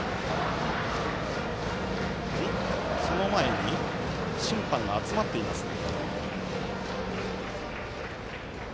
その前に審判が集まっていますね。